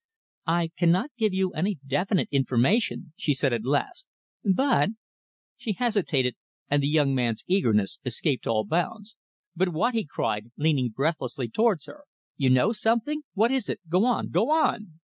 "I cannot give you any definite information," she said at last, "but " She hesitated, and the young man's eagerness escaped all bounds. "But what?" he cried, leaning breathlessly towards her. "You know something! What is it? Go on! Go on!"